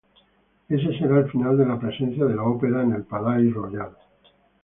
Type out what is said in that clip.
Ese será el final de la presencia de la Ópera en el Palais-Royal.